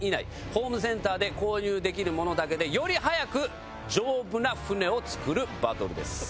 ホームセンターで購入できるものだけでより速く丈夫な舟を作るバトルです。